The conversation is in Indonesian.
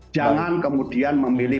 jangan kemudian memilih